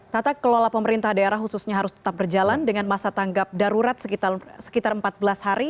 tata kelola pemerintah daerah khususnya harus tetap berjalan dengan masa tanggap darurat sekitar empat belas hari